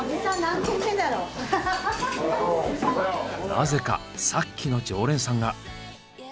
なぜかさっきの常連さんが。